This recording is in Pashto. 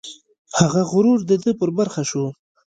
هغه غرور د ده په برخه شو.